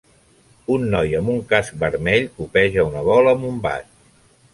Un noi amb un casc vermell copeja una bola amb un bat